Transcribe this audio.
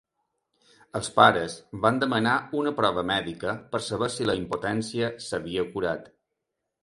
Els pares van demanar una prova mèdica per saber si la impotència s'havia curat.